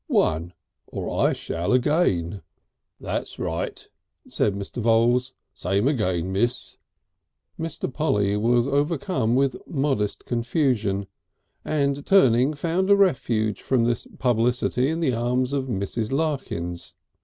"One! or I shall again." "That's right!" said Mr. Voules. "Same again, Miss." Mr. Polly was overcome with modest confusion, and turning, found a refuge from this publicity in the arms of Mrs. Larkins.